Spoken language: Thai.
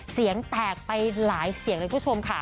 เสียงแตกไปหลายเสียงเลยคุณผู้ชมค่ะ